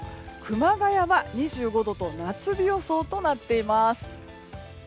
熊谷は２５度と夏日予想となっています。